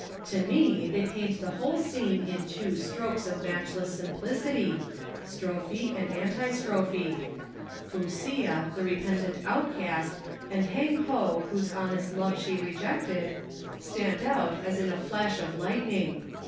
To me they paint the whole scene in two strokes of matchless simplicity, strophe and anti strophe. Fu sia the repentant outcast and Hang ho whose honest love she rejected, stand out as in a flash of lightning.